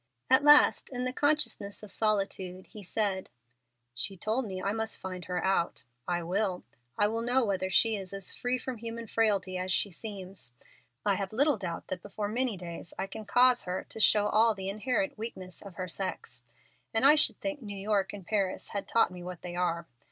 At last in the consciousness of solitude he said: "She told me I must find her out. I will. I will know whether she is as free from human frailty as she seems. I have little doubt that before many days I can cause her to show all the inherent weaknesses of her sex; and I should think New York and Paris had taught me what they are.